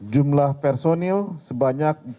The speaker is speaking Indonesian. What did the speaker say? jumlah personil sebanyak empat dua ratus sembilan belas